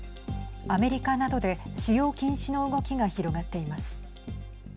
アメリカなどで使用禁止の動きが広がっています。